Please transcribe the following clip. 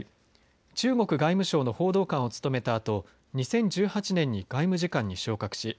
中国外務省の報道官を務めたあと２０１８年に外務次官に昇格し